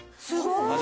すごい。